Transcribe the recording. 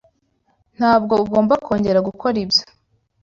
Ntabwo ugomba kongera gukora ibyo.